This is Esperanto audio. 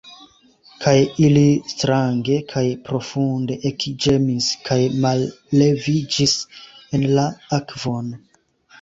Kaj ili strange kaj profunde ekĝemis kaj malleviĝis en la akvon.